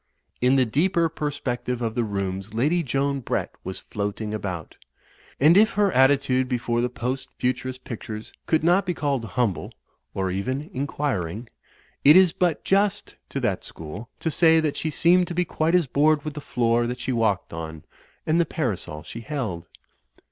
In the deeper perspective of the rooms Lady Joan Brett was floating about. And if her attitude before the Post Futurist pictures could not be called humble, or even inquiring, it is but just to that school to say that she seemed to be quite as bored with the floor that she walked on, and the parasol she held.